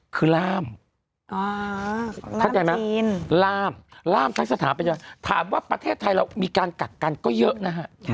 คือรามรามทั้งสถานไปถามว่าประเทศไทยเรามีการกักกันก็เยอะนะฮะ